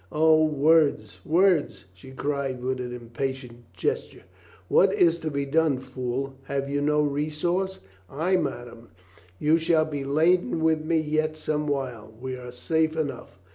"O, words, words," she cried with an impatient gesture. "What is to be done, fool? Have you no resource?" "Ay, madame. You shall be laden with me yet some while. We are safe enough."